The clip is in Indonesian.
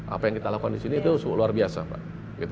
apa yang kita lakukan di sini itu luar biasa pak